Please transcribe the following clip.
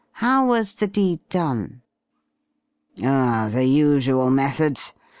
How was the deed done?" "Oh, the usual methods.